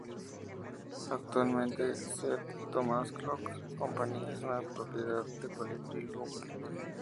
Actualmente, Seth Thomas Clock Company es propiedad del Colibrí Group.